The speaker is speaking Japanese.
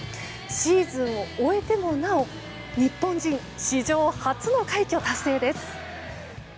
シーズンを終えてもなお日本人史上初の快挙達成です。